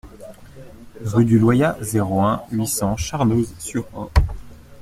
Rue du Loyat, zéro un, huit cents Charnoz-sur-Ain